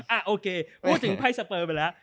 โอเคพูดถึงไพ่สเปอร์ไปแล้ว